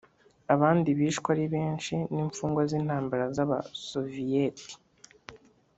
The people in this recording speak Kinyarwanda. Abandi bishwe ari benshi ni imfungwa z intambara z abasovieti